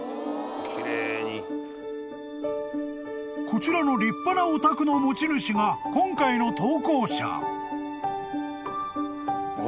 ［こちらの立派なお宅の持ち主が今回の投稿者］